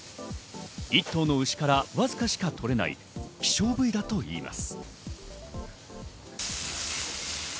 １頭の牛からわずかしか取れない希少部位だといいます。